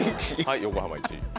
横浜１位。